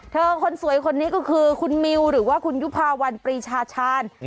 คนสวยคนนี้ก็คือคุณมิวหรือว่าคุณยุภาวันปรีชาชาญ